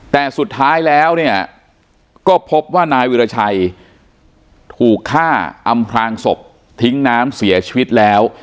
แต่สุดท้ายแล้วเนี่ยก็พบว่านายวิราชัยถูกฆ่าอำพลางศพทิ้งน้ำเสียชีวิตแล้ว